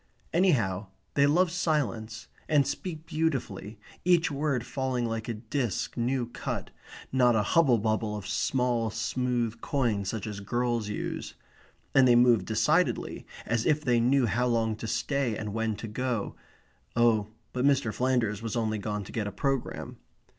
Anyhow, they love silence, and speak beautifully, each word falling like a disc new cut, not a hubble bubble of small smooth coins such as girls use; and they move decidedly, as if they knew how long to stay and when to go oh, but Mr. Flanders was only gone to get a programme.